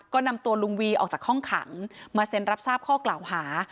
ก็นำตัวลุงวีออกจากห้องขังมาเซ็นรับทราบข้อกล่าวหา